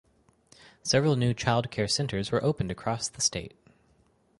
Several new childcare centers were opened across the state.